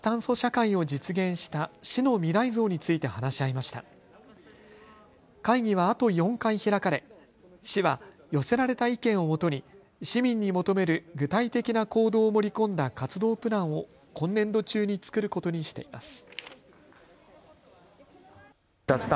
会議はあと４回開かれ、市は寄せられた意見をもとに市民に求める具体的な行動を盛り込んだ活動プランを今年度中に作ることにしています。